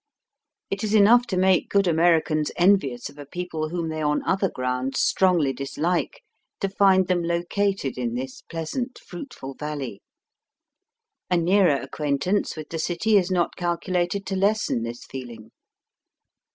It is enough to make good Americans envious of a people whom they on other grounds strongly dislike to find them located in this pleasant fruitful valley. A nearer acquaintance with the city is not calculated to lessen this feeHng.